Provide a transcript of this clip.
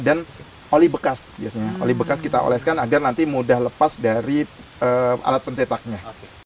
dan oli bekas biasanya oli bekas kita oleskan agar nanti mudah lepas dari alat pencetaknya